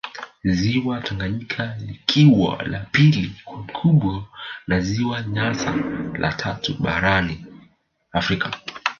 Ziwa Tanganyika likiwa la pili kwa ukubwa na ziwa Nyasa la tatu barani Afrika